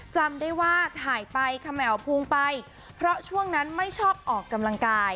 จำได้ว่าถ่ายไปเขม่าวภูมิไปเพราะช่วงนั้นไม่ชอบออกกำลังกาย